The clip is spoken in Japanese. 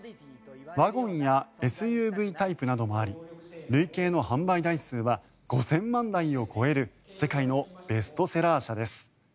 ワゴンやＳＵＶタイプなどもあり累計の販売台数は５０００万台を超える世界のベストセラー車です。